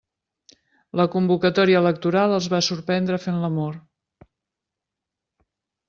La convocatòria electoral els va sorprendre fent l'amor.